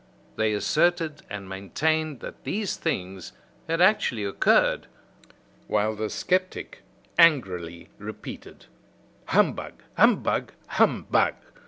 They asserted and maintained that these things had actually occurred, while the sceptic angrily repeated: "Humbug! humbug! humbug!"